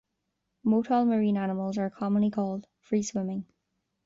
Motile marine animals are commonly called free-swimming.